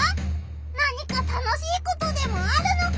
何か楽しいことでもあるのか？